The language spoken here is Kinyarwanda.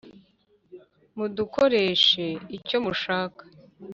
mudukoreshe icyo mushaka.